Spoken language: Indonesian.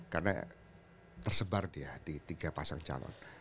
karena tersebar dia di tiga pasang calon